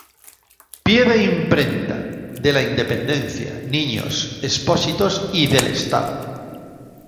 Pie de imprenta: de la Independencia, Niños Expósitos y del Estado.